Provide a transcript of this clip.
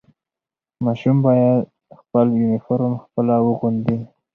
ماشوم باید خپل یونیفرم خپله واغوندي.